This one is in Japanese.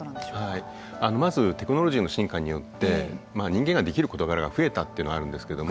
はいまずテクノロジーの進化によって人間ができる事柄が増えたっていうのがあるんですけれども。